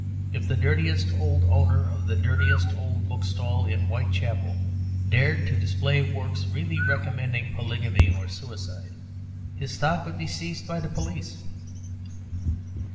If the dirtiest old owner of the dirtiest old bookstall in Whitechapel dared to display works really recommending polygamy or suicide, his stock would be seized by the police.